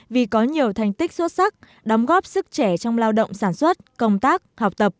vì có nhiều thành tích xuất sắc đóng góp sức trẻ trong lao động sản xuất công tác học tập